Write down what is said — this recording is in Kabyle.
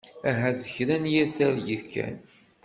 Ahat d kra n yir targit kan.